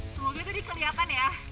semoga itu dikelihatan ya